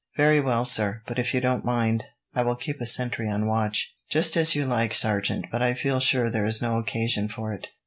"Very well, sir; but if you don't mind, I will keep a sentry on watch." "Just as you like, sergeant, but I feel sure there is no occasion for it.